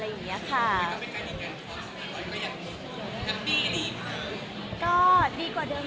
แล้วก็ไม่ใกล้ดีกันความสงสัยก็ยังดีกว่าเดิม